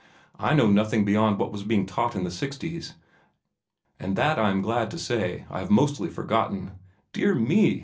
I know nothing beyond what was being taught in the sixties, and that I am glad to say I have mostly forgotten." "Dear me!"